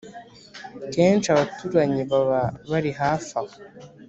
Kenshi abaturanyi baba bari hafi aho